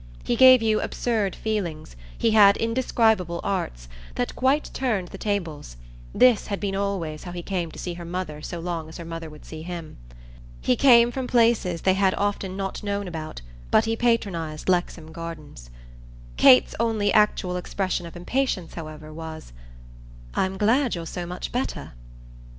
He gave you absurd feelings, he had indescribable arts, that quite turned the tables: this had been always how he came to see her mother so long as her mother would see him. He came from places they had often not known about, but he patronised Lexham Gardens. Kate's only actual expression of impatience, however, was "I'm glad you're so much better!"